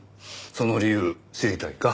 その理由知りたいか？